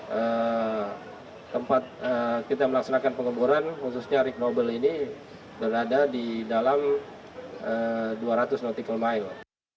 dan tempat kita melaksanakan pengemburan khususnya rikmobel ini berada di dalam dua ratus nautical mile